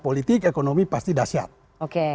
politik ekonomi pasti dahsyat oke